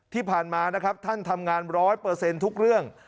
ที่ผ่านมานะครับท่านทำงาน๑๐๐ทุกเรื่อง